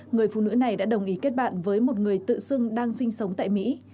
người phụ nữ này đã đồng ý kết bạn với một người tự xưng đang sinh sống tại mỹ